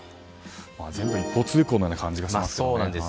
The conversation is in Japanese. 全部、一方通行のような感じがしますよね。